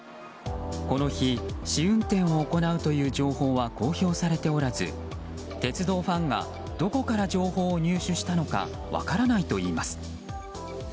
この日、試運転を行うという情報は公表されておらず鉄道ファンがどこから情報を入手したか分からないといいます。